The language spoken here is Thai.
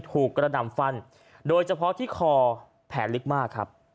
กระหน่ำฟันโดยเฉพาะที่คอแผลลึกมากครับ